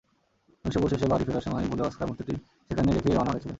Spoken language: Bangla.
নৈশভোজ শেষে বাড়ি ফেরার সময় ভুলে অস্কার মূর্তিটি সেখানে রেখেই রওনা দিয়েছিলেন।